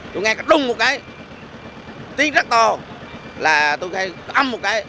tôi nghe cái đung một cái tiếng rất to là tôi khai âm một cái